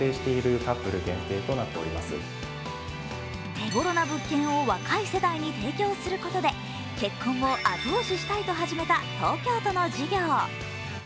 手ごろな物件を若い世代に提供することで、結婚を後押ししたいと始めた東京都の事業。